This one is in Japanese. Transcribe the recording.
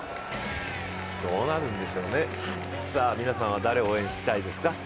どうなるんでしょうね、皆さんは誰を応援したいですか？